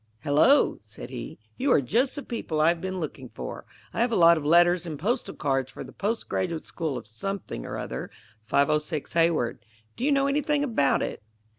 "Hello!" said he; "you are just the people I've been looking for. I have a lot of letters and postal cards for The Post Graduate School of something or other, 506 Hayward. Do you know anything about it?"